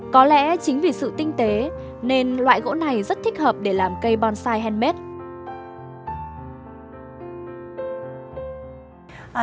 có lẽ chính vì sự tinh tế nên loại gỗ này rất thích hợp để làm cây bonsai handmade